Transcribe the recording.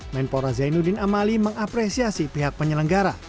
menpora zainuddin amali mengapresiasi pihak penyelenggara